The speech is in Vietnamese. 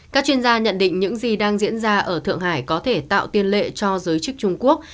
các chuyên gia nhận định những gì đang diễn ra ở thượng hải có thể tạo tiên lệ cho giới chức trung quốc